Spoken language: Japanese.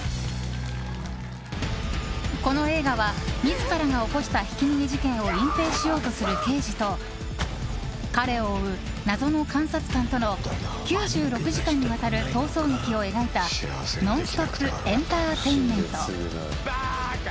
この映画は自らが起こしたひき逃げ事件を隠ぺいしようとする刑事と彼を追う謎の監察官との９６時間にわたる逃走劇を描いたノンストップエンターテインメント。